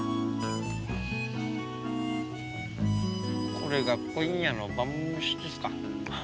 これが今夜の晩飯ですか。